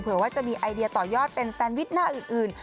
ว่าจะมีไอเดียต่อยอดเป็นแซนวิชหน้าอื่น